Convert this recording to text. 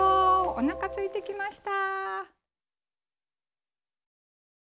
おなかすいてきました。